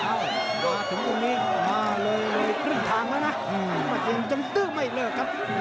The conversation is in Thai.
มาทุนตรงนี้มาเลยเลยครึ่งทางแล้วนะวิมทรมาเติมเตรื่องไม่เลือกครับ